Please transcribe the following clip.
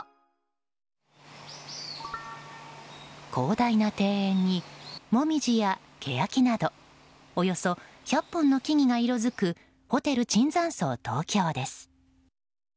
広大な庭園にモミジやケヤキなどおよそ１００本の木々が色づくホテル椿山荘東京です。